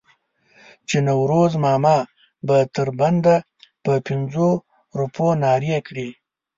چې نوروز ماما به تر بنده په پنځو روپو نارې کړې.